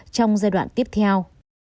trong giai đoạn tiếp theo